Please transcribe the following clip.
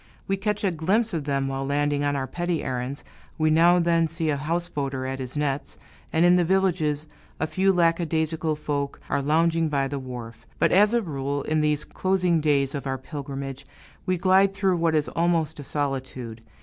We catch a glimpse of them when landing on our petty errands, we now and then see a houseboater at his nets, and in the villages a few lackadaisical folk are lounging by the wharf; but as a rule, in these closing days of our pilgrimage, we glide through what is almost a solitude.